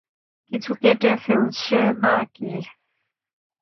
কিছু কেটে ফেলেছ না-কি?